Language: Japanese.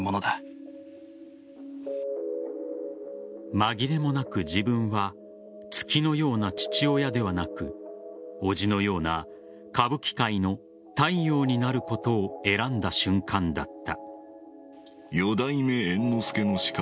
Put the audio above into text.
まぎれもなく自分は月のような父親ではなく伯父のような歌舞伎界の太陽になることを選んだ瞬間だった。